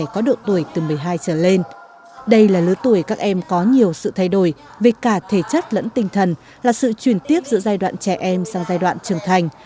cả thể chất lẫn tinh thần là sự truyền tiếp giữa giai đoạn trẻ em sang giai đoạn trưởng thành